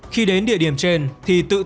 khi đến địa điểm trên thì tự tán